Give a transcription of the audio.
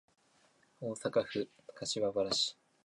大阪府柏原市